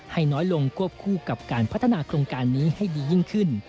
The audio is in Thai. ให้น้อยลงควบคู่กับการพัฒนาโครงการนี้ให้ดียิ่งขึ้น